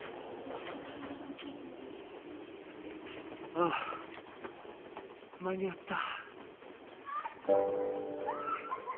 ああ間に合った。